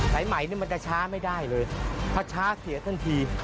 ไสไหมนี่มันจะช้าไม่ได้เลยเพราะช้าเสียทันที